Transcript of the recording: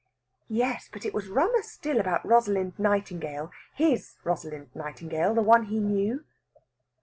"Yes, but it was rummer still about Rosalind Nightingale his Rosalind Nightingale, the one he knew."